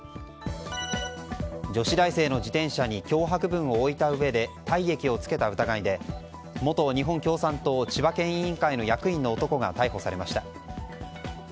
女子大生の自転車に脅迫文を置いたうえで体液をつけた疑いで元日本共産党千葉県委員会の役員の男が逮捕されました。